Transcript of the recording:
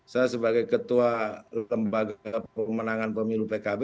saya sebagai ketua lembaga pemenangan pemilu pkb